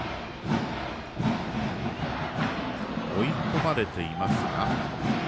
追い込まれていますが。